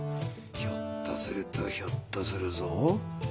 ひょっとするとひょっとするぞ。